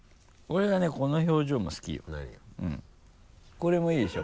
これもいいでしょ？